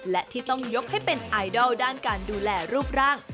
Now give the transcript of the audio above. และที่ต้องยกให้เป็นไอดอลด้านการดูแลรูปร่าง